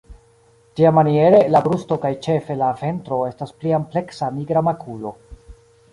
Tiamaniere la brusto kaj ĉefe la ventro estas pli ampleksa nigra makulo.